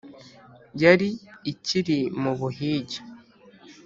yari ikiri mu buhigi,